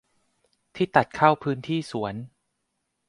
ที่ตัดเข้าพื้นที่สวน